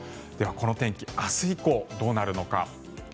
この天気、明日以降どうなるのか。